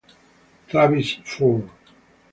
Travis Ford